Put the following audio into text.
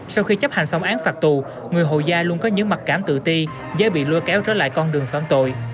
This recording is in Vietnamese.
sau khi chấp hành xong án phạt tù người hồ gia luôn có những mặt cảm tự ti dễ bị lua kéo trở lại con đường phạm tội